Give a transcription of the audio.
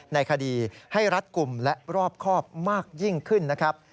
ในคดีให้รัดกลุ่มและรอบครอบมากยิ่งขึ้นนะครับ